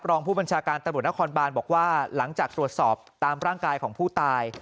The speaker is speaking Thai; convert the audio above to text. รองผู้บัญชาการตำรวจนครบานบอกว่าหลังจากตรวจสอบตามร่างกายของผู้ตาย